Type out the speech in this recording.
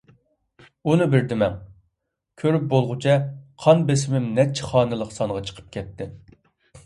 ئۇنى بىر دېمەڭ. كۆرۈپ بولغۇچە قان بېسىمىم نەچچە خانىلىق سانغا چىقىپ كەتتى.